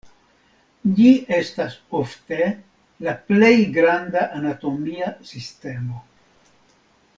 Ĝi estas ofte la plej granda anatomia sistemo.